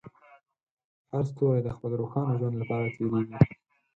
هر ستوری د خپل روښانه ژوند لپاره تېرېږي.